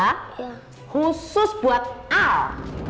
khusus buat al